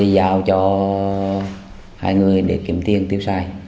giao cho hai người để kiểm tiên tiêu sai